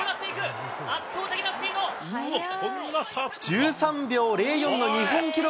１３秒０４の日本記録